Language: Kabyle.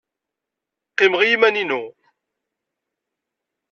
Qqimeɣ i yiman-inu.